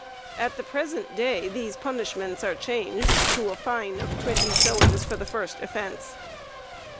At the present day these punishments are changed to a fine of 20 shillings for the first offense.